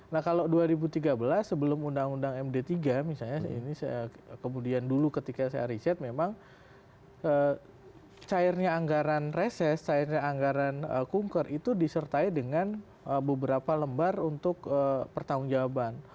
nah kalau dua ribu tiga belas sebelum undang undang md tiga misalnya ini kemudian dulu ketika saya riset memang cairnya anggaran reses cairnya anggaran kunker itu disertai dengan beberapa lembar untuk pertanggung jawaban